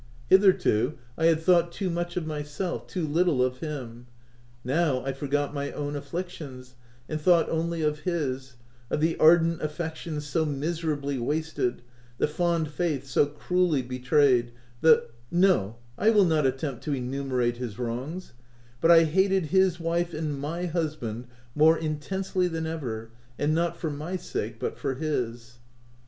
Hitherto, I had thought too much of myself, too little of him : now I forgot my own afflictions, and thought only of his— of the ardent affection so miserably wasted, the fond faith so cruelly betrayed, the—no, I will not attempt to enumerate his wrongs, — but I hated his wife and my husband more in tensely than ever, and not for my sake, but for his.